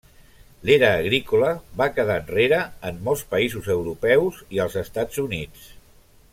L'era agrícola va quedar enrere en molts països europeus i als Estats Units.